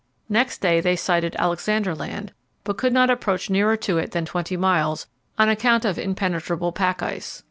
Next day they sighted Alexander Land, but could not approach nearer to it than twenty miles on account of impenetrable pack ice.